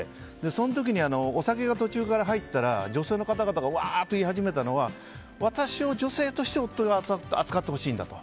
その時にお酒が途中から入ったら女性の方々がわーっと言い始めたのは私を女性として夫に扱ってほしいんだと。